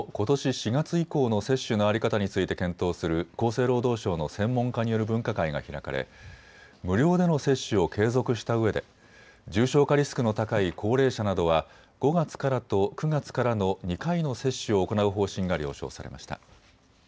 ４月以降の接種の在り方について検討する厚生労働省の専門家による分科会が開かれ無料での接種を継続したうえで重症化リスクの高い高齢者などは５月からと９月からの２回の接種を行う方針が了承されました。